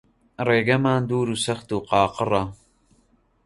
ڕێگەمان دوور و سەخت و قاقڕە